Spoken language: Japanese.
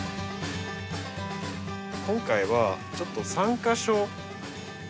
今回はちょっと３か所。